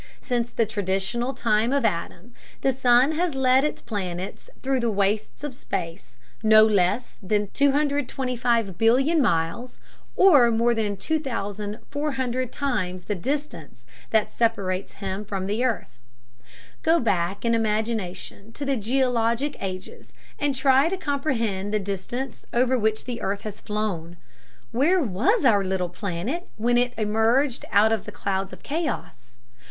Since the traditional time of Adam the sun has led his planets through the wastes of space no less than 225,000,000,000 miles, or more than 2400 times the distance that separates him from the earth. Go back in imagination to the geologic ages, and try to comprehend the distance over which the earth has flown. Where was our little planet when it emerged out of the clouds of chaos?